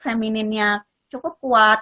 femininnya cukup kuat